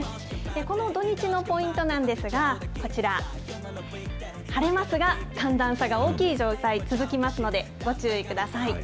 この土日のポイントなんですが、こちら、晴れますが、寒暖差が大きい状態、続きますので、ご注意ください。